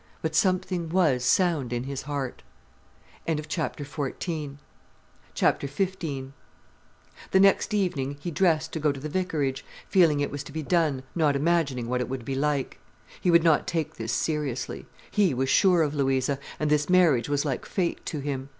But something was sound in his heart. XV The next evening he dressed to go to the vicarage, feeling it was to be done, not imagining what it would be like. He would not take this seriously. He was sure of Louisa, and this marriage was like fate to him.